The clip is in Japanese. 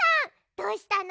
どうしたの？